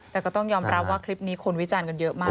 แต่ก็ต้องยอมรับว่าคลิปนี้คนวิจารณ์กันเยอะมาก